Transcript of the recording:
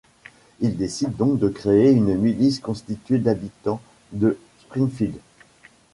Ils décident donc de créer une milice constituée d'habitants de Springfield.